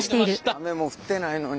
雨も降ってないのに。